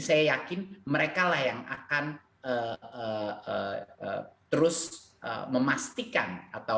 saya yakin mereka lah yang akan terus memastikan atau